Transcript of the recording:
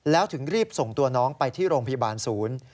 แล้วถึงรีบส่งตัวน้องไปที่โรงพยาบาลศูนย์